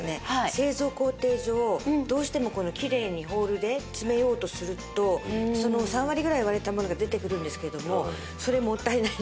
製造工程上どうしてもこのきれいにホールで詰めようとすると３割ぐらい割れたものが出てくるんですけれどもそれもったいないので。